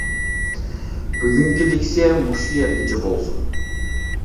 بۈگۈنكى لېكسىيە مۇشۇ يەرگىچە بولسۇن.